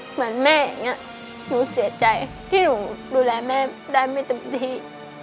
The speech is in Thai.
เหมือนแม่อย่างนี้หนูเสียใจที่หนูดูแลแม่ได้ไม่เต็มที่